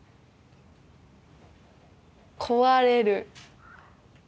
壊れる。